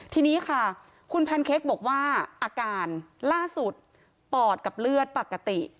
ทีนี้ค่ะคุณแพนเค้กบอกว่าอาการล่าสุดปอดกับเลือดปกติ